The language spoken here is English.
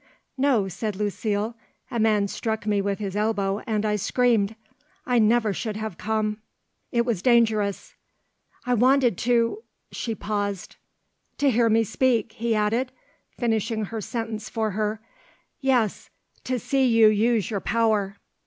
"No," said Lucile; "a man struck me with his elbow and I screamed. I should never have come." "It was dangerous." "I wanted to " She paused. "To hear me speak," he added, finishing her sentence for her. "Yes; to see you use your power."